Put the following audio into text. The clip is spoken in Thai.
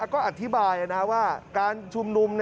ก็อธิบายว่าการชุมนุม